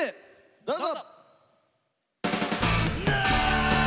どうぞ！